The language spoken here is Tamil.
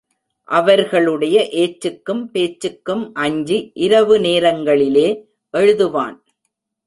அவர்களுடைய ஏச்சுக்கும் பேச்சுக்கும் அஞ்சி, இரவு நேரங்களிலே எழுதுவான்.